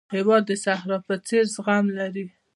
هېواد د صحرا په څېر زغم لري.